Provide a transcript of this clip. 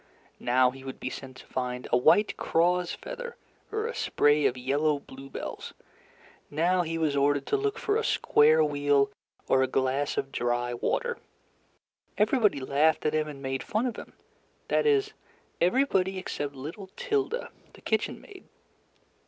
Now he would be sent to find a white craw's feather or a spray of yellow bluebells; now he was ordered to look for a square wheel or a glass of dry water. Everybody laughed at him and made fun of him that is, everybody except little Tilda, the kitchen maid.